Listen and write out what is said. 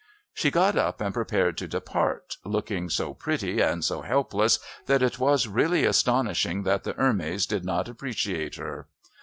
She got up and prepared to depart, looking so pretty and so helpless that it was really astonishing that the Hermes did not appreciate her.